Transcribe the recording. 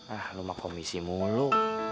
ah lu mah komisi mulu